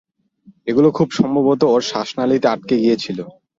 ওগুলো খুব সম্ভবত ওর শ্বাসনালীতে আটকে গিয়েছিল।